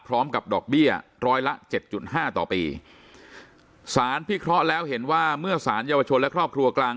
พร้อมกับดอกเบี้ยร้อยละ๗๕ต่อปีสารพิเคราะห์แล้วเห็นว่าเมื่อสารเยาวชนและครอบครัวกลาง